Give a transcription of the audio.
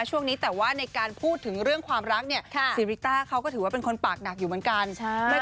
ช่วงนี้แต่ว่าในการพูดถึงเรื่องความรักเนี่ยซีริต้าเขาก็ถือว่าเป็นคนปากหนักอยู่เหมือนกัน